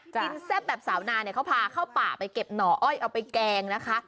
แซ่บแบบสาวนาเนี่ยเขาพาเข้าป่าไปเก็บหน่ออ้อยเอาไปแกงนะคะ